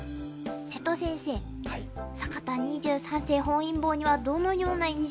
瀬戸先生坂田二十三世本因坊にはどのような印象を持っていますか？